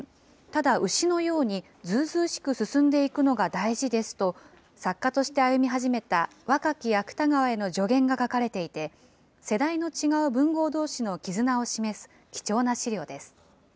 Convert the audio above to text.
ただ牛のようにずうずうしく進んでいくのが大事ですと、作家として歩み始めた若き芥川への助言が書かれていて、世代の違う文豪どうしの絆を示す貴重な資料です。